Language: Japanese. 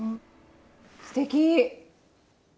すてき！